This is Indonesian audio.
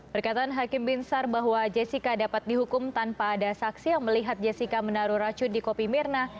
perkataan hakim binsar bahwa jessica dapat dihukum tanpa ada saksi yang melihat jessica menaruh racun di kopi mirna